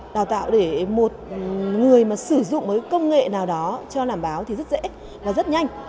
đào tạo để một người mà sử dụng với công nghệ nào đó cho làm báo thì rất dễ và rất nhanh